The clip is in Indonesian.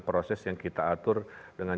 proses yang kita atur dengan